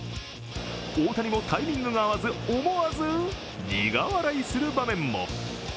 大谷もタイミングが合わず、思わず苦笑いする場面も。